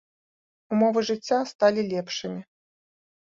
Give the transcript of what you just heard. Умовы жыцця сталі лепшымі.